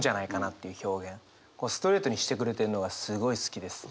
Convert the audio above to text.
ストレートにしてくれてるのがすごい好きです。